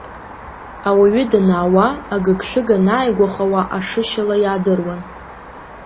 Ауаҩы данаауа, агыгшәыг анааигәахауа ашышьала иаадыруан.